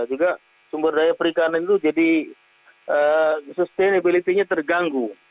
juga sumber daya perikanan itu jadi sustainability nya terganggu